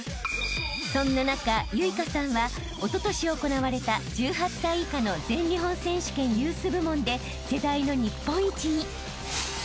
［そんな中結翔さんはおととし行われた１８歳以下の全日本選手権ユース部門で世代の日本一に］